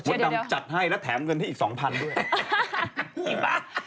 มดดำจัดให้และแถมเงินที่อีก๒๐๐๐บาทด้วย